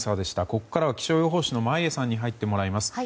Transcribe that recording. ここからは気象予報士の眞家さんに入ってもらいます。